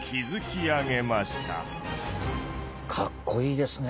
かっこいいですね